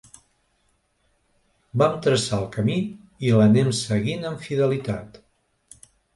Vam traçar el camí i l’anem seguint amb fidelitat.